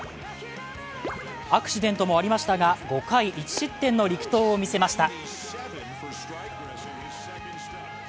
アクシデントもありましたが５回１失点の力投を見せました。